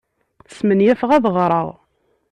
Smenyafeɣ ad ɣreɣ.